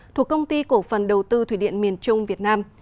thuộc công ty cổ phần đầu tư thủy điện miền trung việt nam